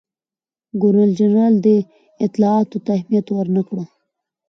ګورنرجنرال دې اطلاعاتو ته اهمیت ورنه کړ.